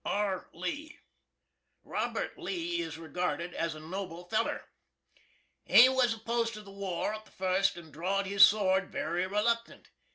R. LEE. Robert Lee is regarded as a noble feller. He was opposed to the war at the fust, and draw'd his sword very reluctant.